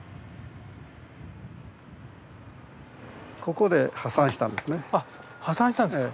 ここで破産したんですね。